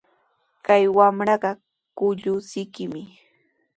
Kay wamraqa kullusikimi.